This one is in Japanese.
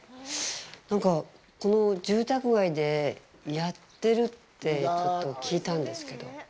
なんか、この住宅街でやってるってちょっと聞いたんですけど。